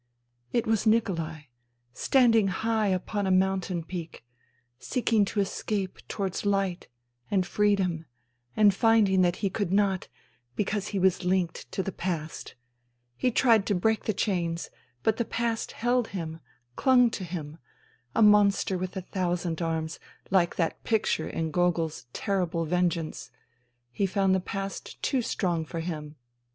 It was THE THREE SISTERS 59 Nikolai standing high upon a mountain peak, seeking to escape towards Hght and freedom and finding that he could not, because he was linked to the past. He tried to break the chains, but the past held him, clung to him, a monster with a thousand arms, like that picture in Gogol's Terrible Vengeance, He found the past too strong for him.